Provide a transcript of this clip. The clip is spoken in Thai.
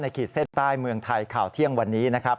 ขีดเส้นใต้เมืองไทยข่าวเที่ยงวันนี้นะครับ